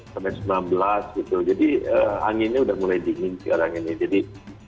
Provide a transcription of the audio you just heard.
sampai sembilan belas gitu jadi anginnya udah mulai dingin sekarang ini jadi